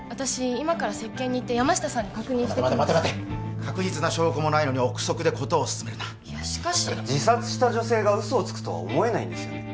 今から接見に行って待て待て待てッ確実な証拠もないのに臆測で事を進めるな自殺した女性が嘘をつくとは思えないんですよね